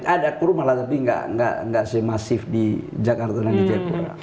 ada kurma lah tapi nggak semasif di jakarta dan di jayapura